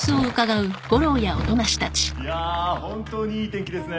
いや本当にいい天気ですね。